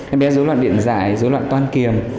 em bé dối loạn điện dài dối loạn toan kiềm